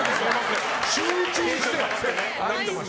集中して！